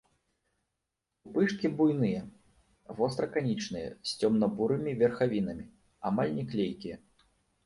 Пупышкі буйныя, востра-канічныя, з цёмна-бурымі верхавінамі, амаль не клейкія.